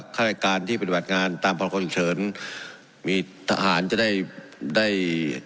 ข้ารายการที่เป็นบริหารงานตามพลังความสุขเฉินมีทหารจะได้ได้